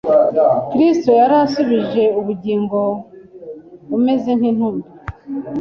Kristo yari asubije ubugingo umeze nk'intumbi